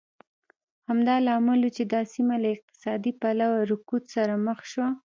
همدا لامل و چې دا سیمه له اقتصادي پلوه رکود سره مخ شوه.